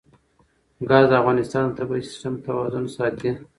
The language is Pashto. ګاز د افغانستان د طبعي سیسټم توازن ساتي.